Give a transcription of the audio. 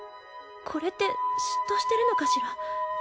これって嫉妬してるのかしら？